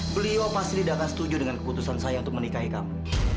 beliau pasti tidak akan setuju dengan keputusan saya untuk menikahi kamu